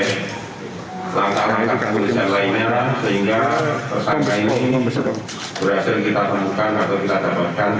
selangkangan kepolisian lainnya sehingga tersangka ini berhasil kita temukan atau kita dapatkan